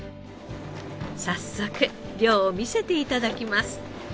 早速漁を見せて頂きます。